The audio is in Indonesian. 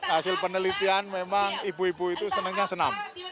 hasil penelitian memang ibu ibu itu senangnya senam